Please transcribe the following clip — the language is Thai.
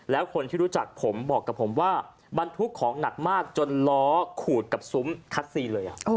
แล้วคนที่รู้จักผมบอกกับผมว่าบรรทุกของหนักมากจนล้อขูดกับซุ้มคัสซีเลย